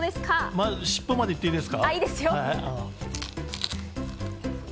まず尻尾までいっていいですか？